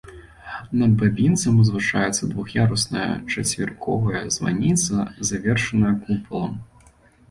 Над бабінцам узвышаецца двух'ярусная чацверыковая званіца, завершаная купалам.